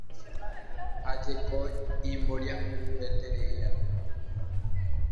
Ha jeko imboriahutereíanga